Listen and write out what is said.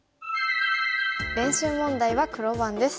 練習問題は黒番です。